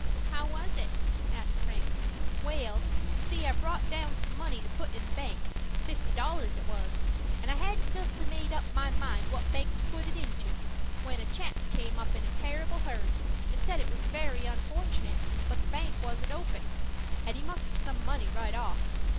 "How was it?" asked Frank. "Wal, you see I brought down some money to put in the bank, fifty dollars it was, and I hadn't justly made up my mind what bank to put it into, when a chap came up in a terrible hurry, and said it was very unfortunate, but the bank wasn't open, and he must have some money right off.